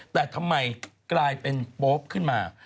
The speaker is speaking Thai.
แต่ทำไมกลายเป็นโป๊ปขึ้นมา